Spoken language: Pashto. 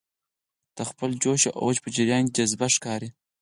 د خپل جوش او اوج په جریان کې جذابه ښکاري.